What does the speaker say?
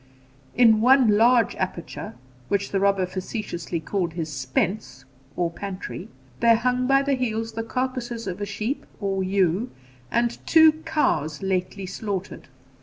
In one large aperture, which the robber facetiously called his SPENCE (or pantry), there hung by the heels the carcasses of a sheep, or ewe, and two cows lately slaughtered.